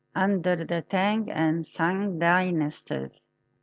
under the Tang and Sung Dynasties.